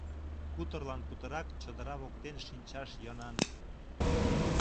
Куторлан путырак чодыра воктен шинчаш йӧнан.